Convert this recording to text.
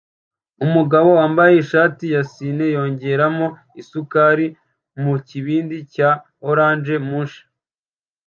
Umugabo wambaye ishati yisine yongeramo isukari mukibindi cya orange mush